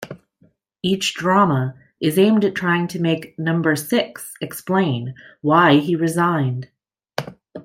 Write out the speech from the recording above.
Each drama is aimed at trying to make Number Six explain why he resigned.